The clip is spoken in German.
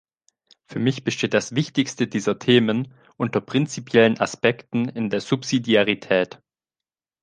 Für mich besteht das wichtigste dieser Themen unter prinzipiellen Aspekten in der Subsidiarität.